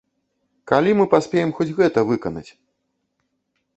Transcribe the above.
Калі мы паспеем хоць гэта выканаць!?